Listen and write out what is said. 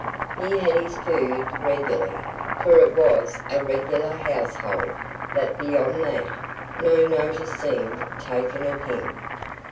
He had his food regularly, for it was a regular household; but beyond that, no notice seemed taken of him.